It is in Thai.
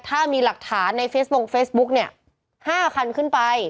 ถ้ามีหลักฐานในเฟซบงเฟซบุ๊กเนี่ย๕คันขึ้นไป